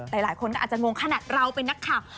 หลายคนก็อาจจะงงขนาดเราเป็นนักข่าว